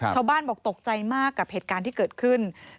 ชาวบ้านบอกตกใจมากกับเหตุการณ์ที่เกิดขึ้น